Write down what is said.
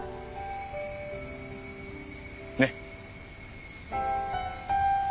ねっ。